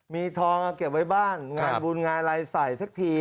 มีทองเอาเก็บไว้บ้านงานบุญงานอะไรใส่สักที